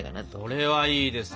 これはいいですね。